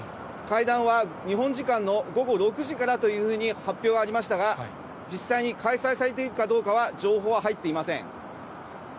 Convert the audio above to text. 会談は日本時間の午後６時からというふうに発表がありましたが、実際に開催されているかどうかは、情報は入っていません。